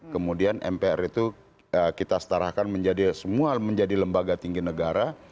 kemudian mpr itu kita setarakan menjadi semua menjadi lembaga tinggi negara